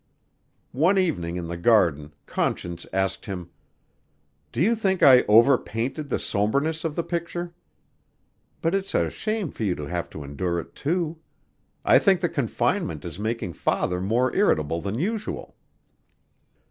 One evening in the garden Conscience asked him, "Do you think I over painted the somberness of the picture? But it's a shame for you to have to endure it, too. I think the confinement is making Father more irritable than usual."